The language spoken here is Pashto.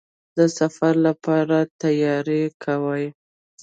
د سفر لپاره تیاری کوئ؟